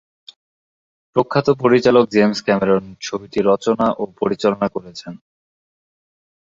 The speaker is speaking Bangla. প্রখ্যাত পরিচালক জেমস ক্যামেরন ছবিটি রচনা ও পরিচালনা করেছেন।